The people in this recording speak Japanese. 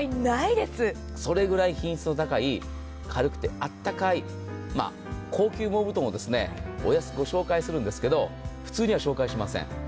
それくらい品質の高い軽くてあったかい、高級羽毛布団をお安くご紹介するんですけど普通には紹介しません。